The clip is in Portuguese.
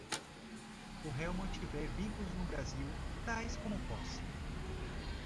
o réu mantiver vínculos no Brasil, tais como posse